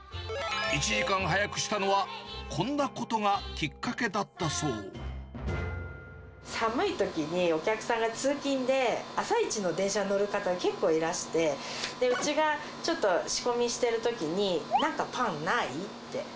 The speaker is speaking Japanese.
１時間早くしたのは、寒いときに、お客さんが通勤で、朝一の電車に乗る方が結構いらして、うちがちょっと仕込みしてるときに、なんかパンない？って。